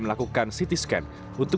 melakukan ct scan untuk